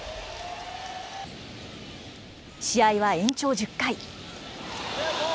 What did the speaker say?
試合は延長１０回。